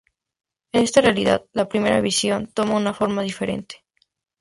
En esta realidad, la primera Visión toma una forma diferente.